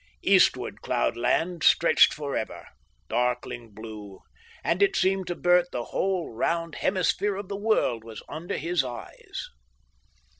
Eastward cloud land stretched for ever, darkling blue, and it seemed to Bert the whole round hemisphere of the world was under his eyes.